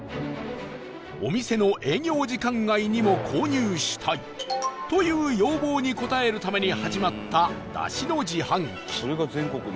「お店の営業時間外にも購入したい」という要望に応えるために始まっただしの自販機